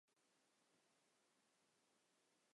今高雄市内门区。